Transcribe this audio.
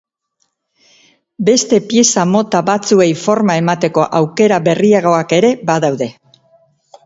Beste pieza mota batzuei forma emateko aukera berriagoak ere badaude.